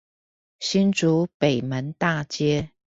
新竹北門大街